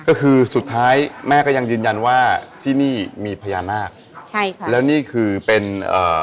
ก็คือสุดท้ายแม่ก็ยังยืนยันว่าที่นี่มีพญานาคใช่ค่ะแล้วนี่คือเป็นเอ่อ